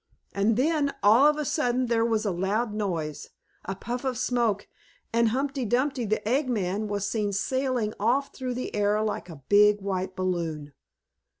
And then, all of a sudden, there was a loud noise, a puff of smoke, and Humpty Dumpty, the egg man, was seen sailing off through the air like a big white balloon.